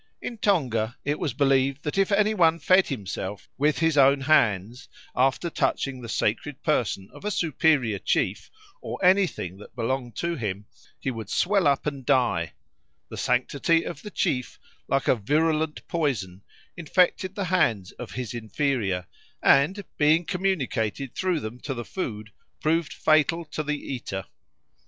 In Tonga it was believed that if any one fed himself with his own hands after touching the sacred person of a superior chief or anything that belonged to him, he would swell up and die; the sanctity of the chief, like a virulent poison, infected the hands of his inferior, and, being communicated through them to the food, proved fatal to the eater.